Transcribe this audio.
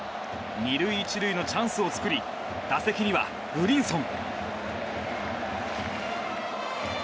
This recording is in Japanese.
２塁１塁のチャンスを作り打席にはブリンソン。